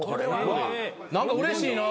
何かうれしいな。